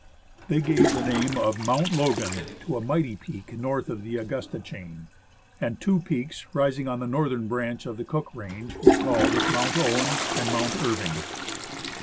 They gave the name of " Mount Logan " to a mighty peak north of the Augusta chain ; and two peaks, rising on the northern branch of the Cook range, were called " Mount Owen " and "Mount Irving."